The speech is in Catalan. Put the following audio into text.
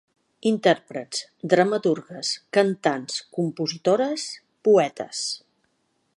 Intèrprets, dramaturgues, cantants, compositores, poetes.